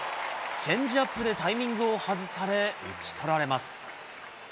チェンジアップでタイミングを外され、打ち取られます。